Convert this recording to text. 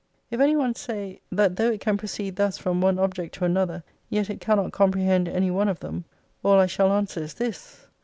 If any one say, that though it can proceed thus from one object to another, yet it can not comprehend any one of them, all I shall answer is this.